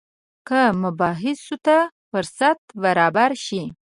که مباحثو ته فرصت برابر شي.